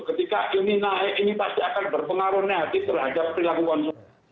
ketika ini naik ini pasti akan berpengaruh negatif terhadap perilaku konsumen